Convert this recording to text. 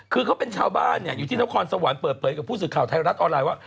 คือเขาเป็นชาวบ้านอยู่ที่นครสวรรค์เปิดเผยกับผู้สื่อข่าวไทยรัฐออนไลน์ว่า